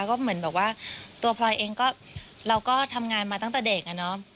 ก็เหมือนแบบว่าตัวพลอยเองก็เราก็ทำงานมาตั้งแต่เด็กอะเนาะ